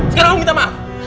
sekarang aku minta maaf